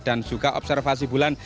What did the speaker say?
dan juga observasi bulan